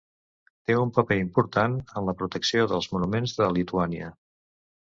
Té un paper important en la protecció dels monuments de Lituània.